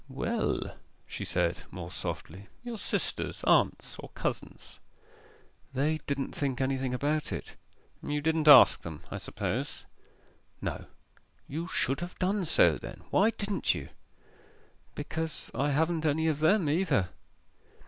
'Well,' she said, more softly, 'your sisters, aunts, or cousins.' 'They didn't think anything about it.' 'You didn't ask them, I suppose.' 'No.' 'You should have done so, then. Why didn't you?' 'Because I haven't any of them, either.